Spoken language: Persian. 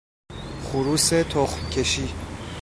خروس تخمکشی